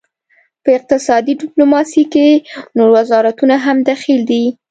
په اقتصادي ډیپلوماسي کې نور وزارتونه هم دخیل دي